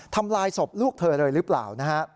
ทำลายศพลูกเธอเลยหรือเปล่านะฮะ